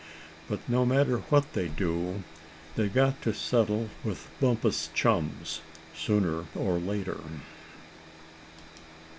But no matter what they do, they've got to settle with Bumpus' chums, sooner or later."